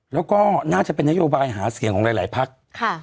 แล้วก็น่าจะเป็นนโยบายหาเสียงของหลายพัก